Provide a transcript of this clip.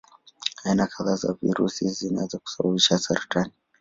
Aina kadhaa za virusi zinaweza kusababisha saratani.